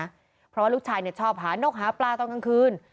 เพราะว่าลูกชายชอบหานกหาปลาตอนกลางคืน